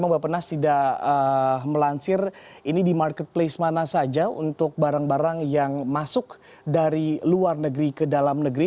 bapak penas tidak melansir ini di marketplace mana saja untuk barang barang yang masuk dari luar negeri ke dalam negeri